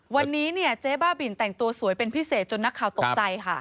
วันนี้เนี่ยเจ๊บ้าบินแต่งตัวสวยเป็นพิเศษจนนักข่าวตกใจค่ะ